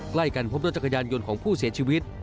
ใกล้กันพบรถจักรยานยนต์ของผู้เสียชีวิต